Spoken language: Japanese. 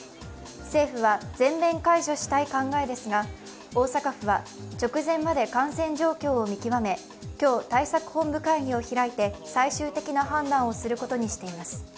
政府は全面解除したい考えですが、大阪府は直前まで感染状況を見極め今日、対策本部会議を開いて最終的な判断をすることにしています。